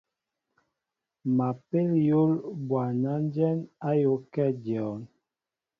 Ma pél yǒl ɓɔwnanjɛn ayōōakɛ dyon.